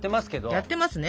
やってますね。